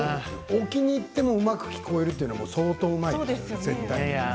置きにいってもうまく聞こえるというのは相当うまいですよ。